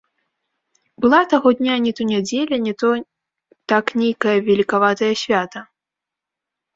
Была таго дня не то нядзеля, не то так нейкае велікаватае свята.